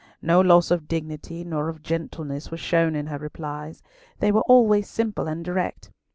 No loss of dignity nor of gentleness was shown in her replies; they were always simple and direct.